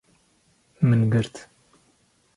Min girt